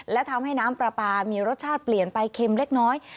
และทำให้น้ำปลาปลามีรสชาติเปลี่ยนไปเค็มเล็กน้อย